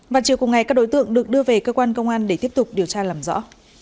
và chiều cùng ngày các đối tượng được đưa về cơ quan công an để tiếp tục điều tra làm rõ